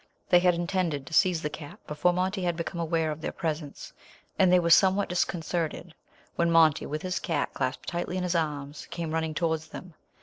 They had intended to seize the cat before Monty had become aware of their presence; and they were somewhat disconcerted when Monty, with the cat clasped tightly in his arms, came running towards them.